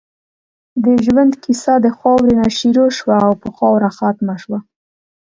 د ژؤند قیصه د خاؤرې نه شروع شوه او پۀ خاؤره ختمه شوه